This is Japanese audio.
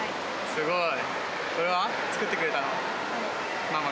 すごい。